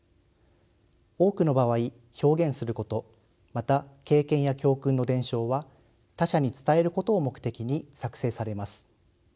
多くの場合表現することまた経験や教訓の伝承は他者に伝えることを目的に作成されます。